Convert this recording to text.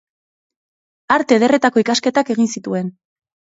Arte ederretako ikasketak egin zituen.